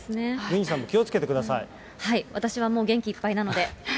郡司さんも、私はもう元気いっぱいなので。